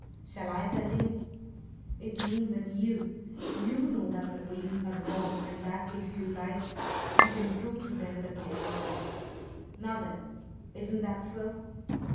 Shall I tell you? It means that you you! know that the police are wrong, and that if you like you can prove to them that they are wrong! Now, then isn't that so?"